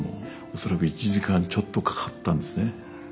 恐らく１時間ちょっとかかったんですね。